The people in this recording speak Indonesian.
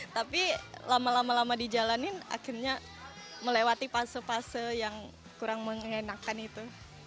tapi lama lama dijalanin akhirnya melewati fase fase yang kurang mengenakan itu